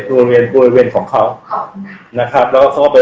บริเวณบริเวณของเขาครับนะครับแล้วเขาก็ไป